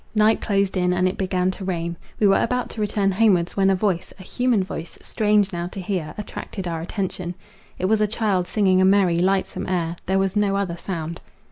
Night closed in, and it began to rain. We were about to return homewards, when a voice, a human voice, strange now to hear, attracted our attention. It was a child singing a merry, lightsome air; there was no other sound.